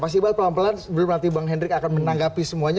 mas iqbal pelan pelan sebelum nanti bang hendrik akan menanggapi semuanya